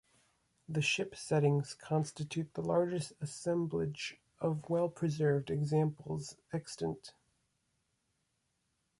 The ship settings constitute the largest assemblage of well-preserved examples extant.